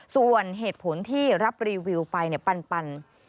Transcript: ส่วนเหตุผลที่รับรีวิวไปปัน